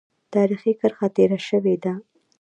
تاریخي کرښه تېره شوې ده.